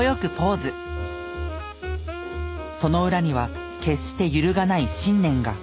その裏には決して揺るがない信念が。